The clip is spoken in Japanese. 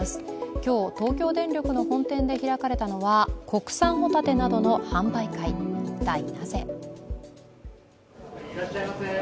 今日、東京電力の本店で開かれたのは国産ホタテなどの販売会、一体なぜ？